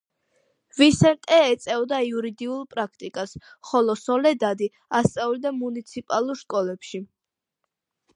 ვისენტე ეწეოდა იურიდიულ პრაქტიკას, ხოლო სოლედადი ასწავლიდა მუნიციპალურ სკოლებში.